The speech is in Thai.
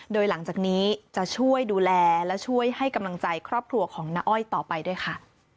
โดยหลังจากนี้จะช่วยดูแลและช่วยให้กำลังใจครอบครัวของน้าอ้อยต่อไปด้วยค่ะ